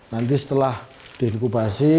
nanti setelah diinkubasi